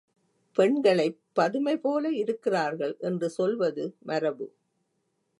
பெண்களைப் பதுமைபோல இருக்கிறார்கள் என்று சொல்வது மரபு.